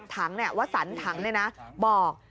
ถังนี่วัฒนธังด้วยนะบอก